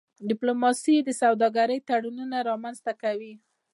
ډيپلوماسي د سوداګری تړونونه رامنځته کوي.